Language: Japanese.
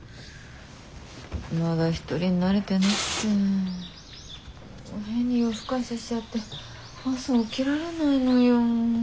まだ一人に慣れてなくて変に夜更かししちゃって朝起きられないのよ。